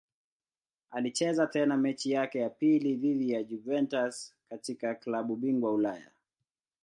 Alicheza tena mechi yake ya pili dhidi ya Juventus katika klabu bingwa Ulaya.